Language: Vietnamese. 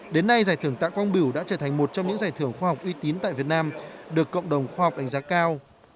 đến nay giải thưởng tạ quang bửu đã trở thành một trong những giải thưởng khoa học uy tín tại việt nam được cộng đồng khoa học đánh giá cao